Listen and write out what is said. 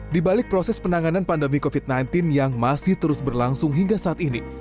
di balik proses penanganan pandemi covid sembilan belas yang masih terus berlangsung hingga saat ini